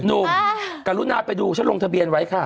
หนุ่มกรุณาไปดูฉันลงทะเบียนไว้ค่ะ